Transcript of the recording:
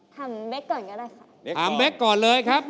ทำเบ็กก่อนก็ได้ค่ะ